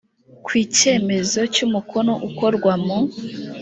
kw icyemezo cy umukono ukorwa mu